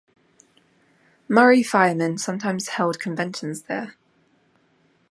Murray firemen sometimes held conventions there.